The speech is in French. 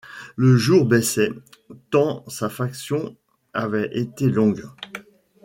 Le jour baissait, tant sa faction avait été longue.